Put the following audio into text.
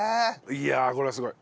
いやこれはすごい。